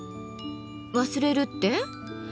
忘れるって？